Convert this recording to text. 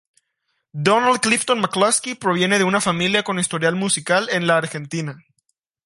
Donald Clifton McCluskey proviene de una familia con historia musical en la Argentina.